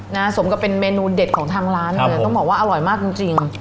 สมกับเป็นเมนูเด็ดของทางร้านเลยต้องบอกว่าอร่อยมากจริงจริง